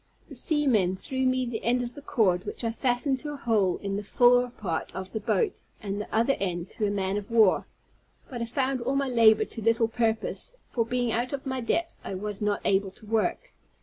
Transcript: The seamen threw me the end of the cord, which I fastened to a hole in the fore part of the boat, and the other end to a man of war. But I found all my labor to little purpose; for, being out of my depth, I was not able to work.